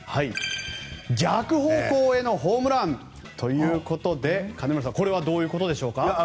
逆方向へのホームランということで金村さん、これはどういうことでしょうか？